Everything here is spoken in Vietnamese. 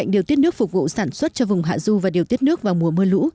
điều tiết nước phục vụ sản xuất cho vùng hạ du và điều tiết nước vào mùa mưa lũ